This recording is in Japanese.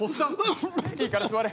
いいから座れ。